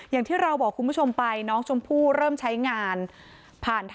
อย่างที่เราบอกคุณผู้ชมไปน้องชมพู่เริ่มใช้งานผ่านทาง